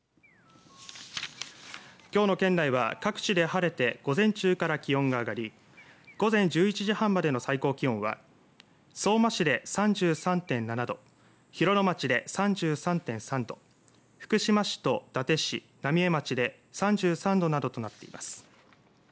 きょうの県内は各地で晴れて午前中から気温が上がり午前１１時半までの最高気温は相馬市で３３．７度広野町で３３．３度徳島市と伊達市、浪江町で３３度などとなっています。